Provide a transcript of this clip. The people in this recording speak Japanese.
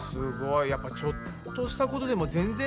やっぱちょっとしたことでも全然ちがうんですね